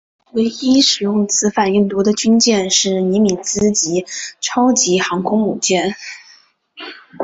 唯一使用此反应炉的军舰是尼米兹级超级航空母舰。